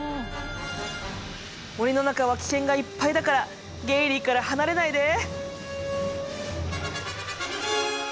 森の中は危険がいっぱいだからゲイリーから離れないで。